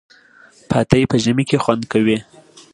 پاتې په ژمي کی خوندکوی